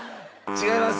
違います。